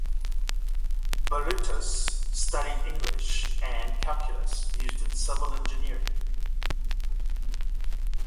Balutis studied English and calculus used in civil engineering.